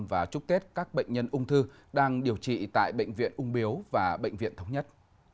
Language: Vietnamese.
và chúc tết các bệnh nhân ung thư đang điều trị tại bệnh viện ung biếu và bệnh viện thống nhất